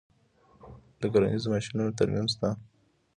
د کرنیزو ماشینریو ترمیم شته